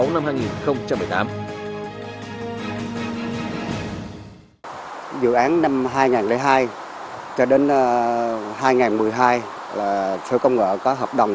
dự án năm hai nghìn hai cho đến hai nghìn một mươi hai là sở khoa học có hợp đồng với xã xã là hợp đồng với đất cho chúng tôi sử dụng